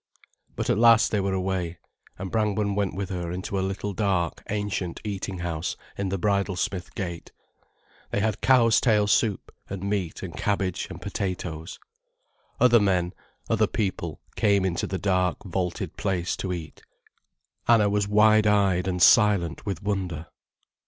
But at last they were away, and Brangwen went with her into a little dark, ancient eating house in the Bridlesmith Gate. They had cow's tail soup, and meat and cabbage and potatoes. Other men, other people, came into the dark, vaulted place, to eat. Anna was wide eyed and silent with wonder.